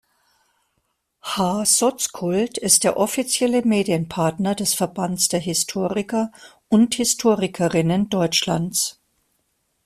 H-Soz-Kult ist der offizielle Medienpartner des Verbands der Historiker und Historikerinnen Deutschlands.